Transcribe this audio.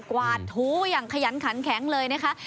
วาดถูอย่างขยันขันแข็งเลยนะคะ